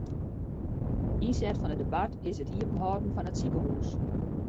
Ynset fan it debat is it iepenhâlden fan it sikehús.